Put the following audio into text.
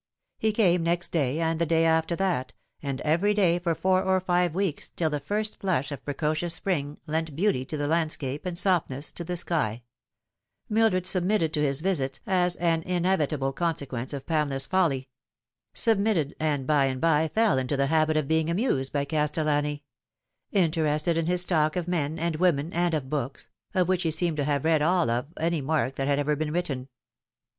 He came next day, and the day after that, and every day for four or five weeks, till the first flush of precocious spring lent beauty to the landscape and softness to the sky. Mildred 212 The Fatal Three. submitted to his visits as an inevitable consequence of Pamela's folly ; submitted, and by and by fell into the habit of being amused by Castellani ; interested in his talk of men and women and of books, of which he seemed to have read all of any mark that had ever been written.